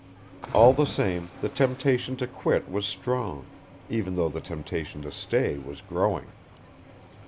All the same the temptation to quit was strong, even though the temptation to stay was growing.